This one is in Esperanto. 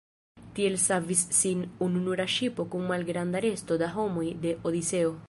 Tiel savis sin ununura ŝipo kun malgranda resto da homoj de Odiseo.